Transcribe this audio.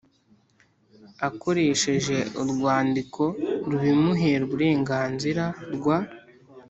akoreresheje urwandiko rubimuhera uburenganzira rwa